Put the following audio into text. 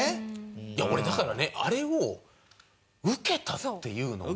いや俺だからねあれを受けたっていうのが。